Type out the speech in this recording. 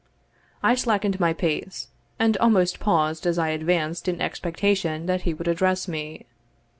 I slackened my pace, and almost paused as I advanced in expectation that he would address me.